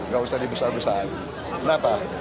gak usah dibesar besarkan